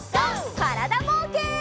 からだぼうけん。